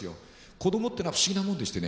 子供ってのは不思議なもんでしてね